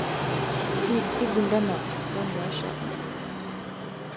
Tsi i buandanamú wandachia ungúná.